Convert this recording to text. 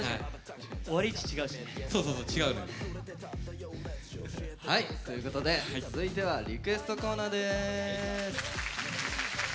終わり位置、違うしね。ということで続いてはリクエストコーナーです。